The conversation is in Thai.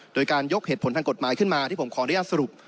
โดยการยกเหตุผลทางกฎหมายขึ้นมาที่ผมขออนุญาตสรุป